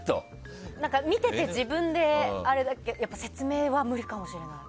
見てて自分で説明は無理かもしれない。